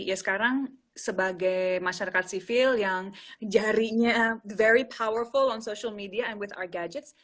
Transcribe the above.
ya sekarang sebagai masyarakat sivil yang jarinya the very powerful on social media and white ar gadgets